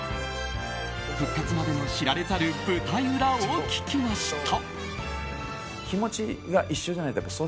復活までの知られざる舞台裏を聞きました。